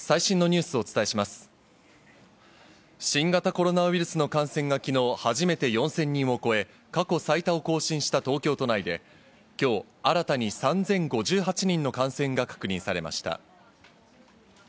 新型コロナウイルスの感染が昨日、初めて４０００人を越え、過去最多を更新した東京都内で、今日、新たに３０５８人の感染が確認されました。